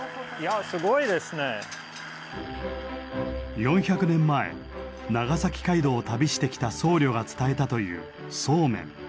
４００年前長崎街道を旅してきた僧侶が伝えたというそうめん。